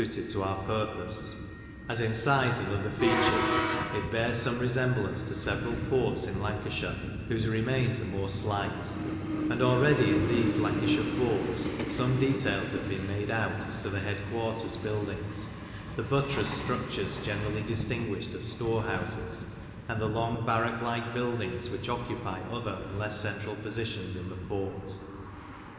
C. Dickie and R. C, Bosanquet, 18981899 36 MEMORIALS OF OLD LANCASHIRE as in size and other features it bears some resemblance to several forts in Lancashire whose remains are more slight ; and already in these Lancashire forts some details have been made out as to the headquarters buildings, the buttressed structures generally distinguished as storehouses, and the long barrack like buildings which occupy other and less central positions in the fort.